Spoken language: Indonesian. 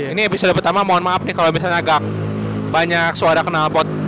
ini episode pertama mohon maaf nih kalau misalnya agak banyak suara kenalpot